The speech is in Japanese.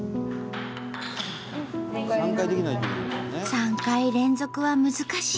３回連続は難しい。